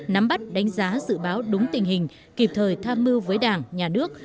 nắm bắt đánh giá dự báo đúng tình hình kịp thời tham mưu với đảng nhà nước